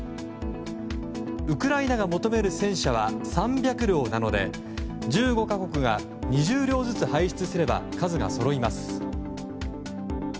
ウクライナが求める戦車は３００両なので１５か国が２０両ずつ輩出すれば数がそろいます。